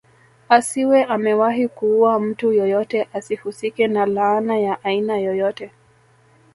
Asiwe amewahi kuua mtu yoyote asihusike na laana ya aina yoyote